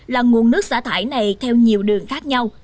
là nguồn nước xả thải này theo nhiều đường khác nhau